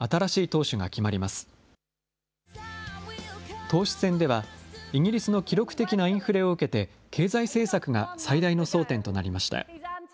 党首選では、イギリスの記録的なインフレを受けて、経済政策が最大の争点となりました。